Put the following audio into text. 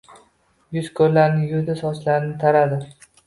Yuz-ko'llarini yuvdi, sochlarini taradi.